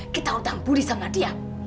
kita udah ampuni sama dia